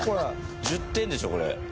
１０点でしょこれ。